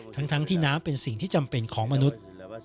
ทั้งที่น้ำเป็นสิ่งที่จำเป็นของมนุษย์